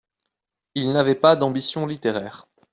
Il n'avait pas d'ambitions littéraires.